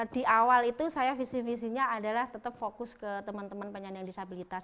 di awal itu saya visi visinya adalah tetap fokus ke teman teman penyandang disabilitas